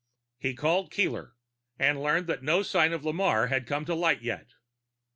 He called Keeler and learned that no sign of Lamarre had come to light yet.